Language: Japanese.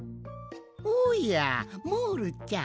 おやモールちゃん。